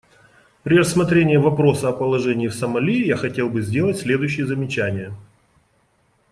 При рассмотрении вопроса о положении в Сомали я хотел бы сделать следующие замечания.